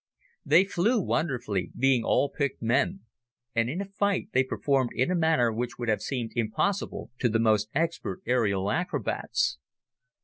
They flew wonderfully, being all picked men, and in a fight they performed in a manner which would have seemed impossible to the most expert aerial acrobats.